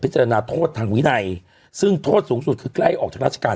จารณาโทษทางวินัยซึ่งโทษสูงสุดคือใกล้ออกจากราชการ